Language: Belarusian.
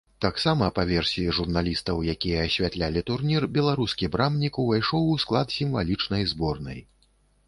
Таксама, па версіі журналістаў, якія асвятлялі турнір, беларускі брамнік увайшоў у склад сімвалічнай зборнай.